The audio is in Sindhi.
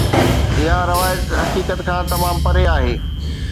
اها روايت حقيقت کان تمام پري آهي.